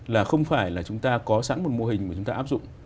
là không phải là chúng ta có sẵn một mô hình mà chúng ta áp dụng